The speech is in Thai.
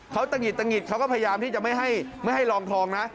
เขาตะหิดตะหิดเขาก็พยายามที่จะไม่ให้ลองทองนะ